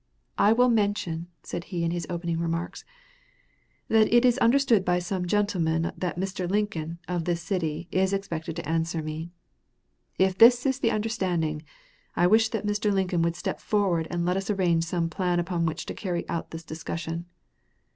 "I will mention," said he, in his opening remarks, "that it is understood by some gentlemen that Mr. Lincoln, of this city, is expected to answer me. If this is the understanding, I wish that Mr. Lincoln would step forward and let us arrange some plan upon which to carry out this discussion."